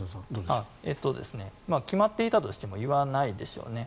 決まっていたとしても言わないでしょうね。